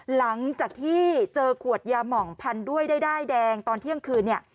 หลังจากที่เจอขวดยาหม่องพันธุ์ด้วยได้แดงตอนเที่ยงคืน